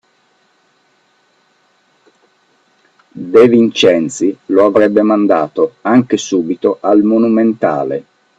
De Vincenzi lo avrebbe mandato anche subito al Monumentale